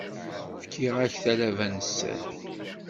Fkiɣ-ak talaba n sser.